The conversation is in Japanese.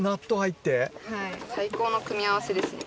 はい最高の組み合わせですね。